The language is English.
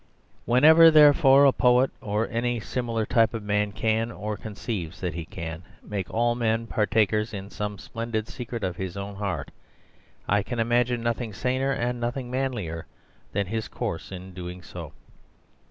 Whenever, therefore, a poet or any similar type of man can, or conceives that he can, make all men partakers in some splendid secret of his own heart, I can imagine nothing saner and nothing manlier than his course in doing so.